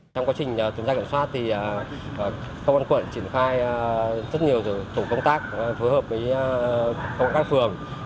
trong quá trình tuần tra kiểm soát thì công an quận triển khai rất nhiều tổ công tác phối hợp với công an các phường